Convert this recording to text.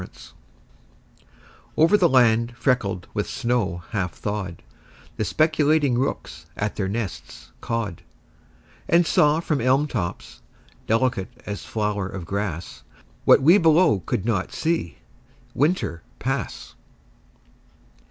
THAW OVER the land freckled with snow half thawed The speculating rooks at their nests cawed And saw from elm tops, delicate as flower of grass, What we below could not see, Winter pass.